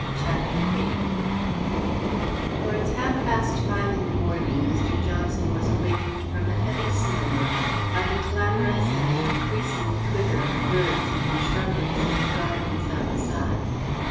CHAPTER VIII Towards half past five in the morning Mr. Johnson was awakened from a heavy slumber by the clamorous and increasing twitter of birds in the shrubberies and gardens outside.